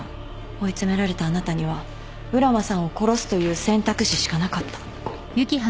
追い詰められたあなたには浦真さんを殺すという選択肢しかなかった。